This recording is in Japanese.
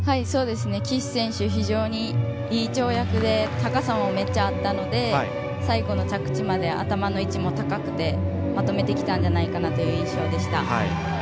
岸選手、非常にいい跳躍で高さもめっちゃあったので最後の着地まで頭の位置も高くてまとめてきたんじゃないかという印象でした。